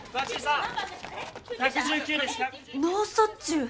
脳卒中？